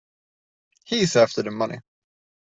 He's after the money.